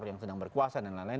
yang sedang berkuasa dan lain lain